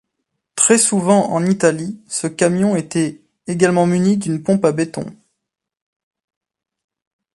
Très souvent en Italie, ce camion était également muni d'une pompe à béton.